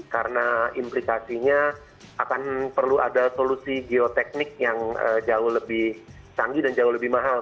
karena implikasinya akan perlu ada solusi geoteknik yang jauh lebih canggih dan jauh lebih mahal